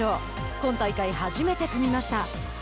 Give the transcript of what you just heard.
今大会初めて組みました。